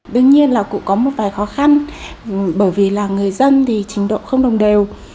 đương nhiên là cũng có một vài khó khăn bởi vì là người dân thì trình độ không đồng đều